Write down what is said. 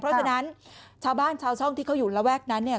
เพราะฉะนั้นชาวบ้านชาวช่องที่เขาอยู่ระแวกนั้นเนี่ย